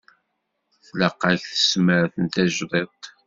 Tlaq-ak tesmert tajdidt.